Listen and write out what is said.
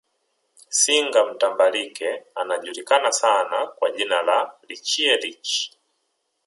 Single mtambalike anajulikana sana kwa jina la Richie Rich